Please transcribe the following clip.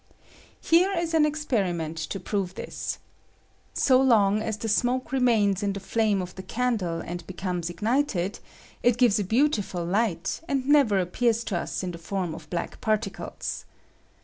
Here is an experiment to prove this : so long as the smoke remains in the flame of the candle and becomes ignited, it gives a beautiful light, and never appears to us in the form of black particles.